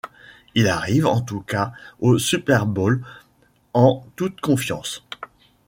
Ils arrivent en tout cas au Super Bowl en toute confiance.